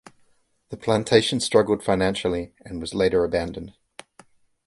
The plantation struggled financially and was later abandoned.